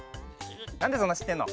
なんでそんなしってんの？